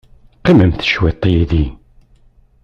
Qqimemt cwiṭ yid-i.